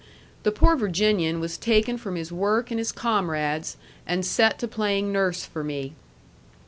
The poor Virginian was taken from his work and his comrades and set to playing nurse for me.